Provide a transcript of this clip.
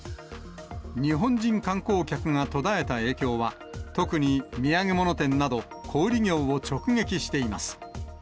日本人観光客が途絶えた影響は、特に土産物店など小売り業を直撃しています。